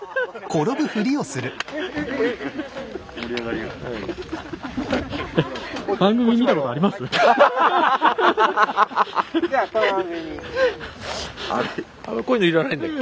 こういうのいらないんだっけ？